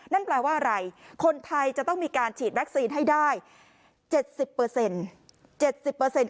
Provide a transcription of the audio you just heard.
นั่นแปลว่าอะไรคนไทยจะต้องมีการฉีดแว็กซีนให้ได้เจ็ดสิบเปอร์เซ็นต์